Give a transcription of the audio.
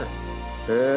へえ。